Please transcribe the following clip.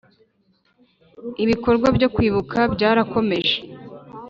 Ibikorwa byo Kwibuka byarakomeje.